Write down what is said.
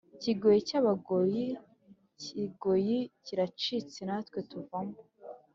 kigoyi cy abagoyi Ikigoyi kiracitse natwe tuvamo